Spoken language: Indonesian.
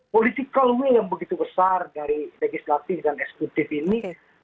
political will yang begitu besar dari legislatif dan eksekutif ini